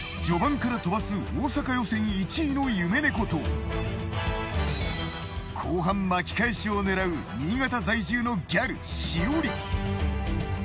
序盤から飛ばす大阪予選１位の夢猫と後半巻き返しを狙う新潟在住のギャルしおり。